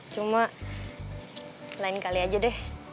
cuma lain kali aja deh